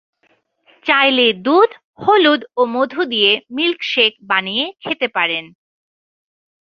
চাইলে দুধ, হলুদ ও মধু দিয়ে মিল্ক শেক বানিয়ে খেতে পারেন।